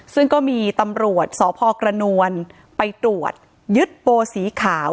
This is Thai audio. ซึ่งก็มีตำรวจสพกระนวลไปตรวจยึดโปสีขาว